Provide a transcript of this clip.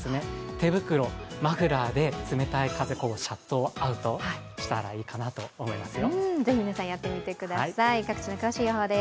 手袋、マフラーで冷たい風をシャットアウトしたらいいかと思いますよ。